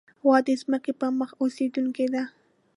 غوا د ځمکې پر مخ اوسېدونکې ده.